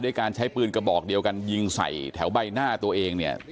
การใช้ปืนกระบอกเดียวกันยิงใส่แถวใบหน้าตัวเองเนี่ย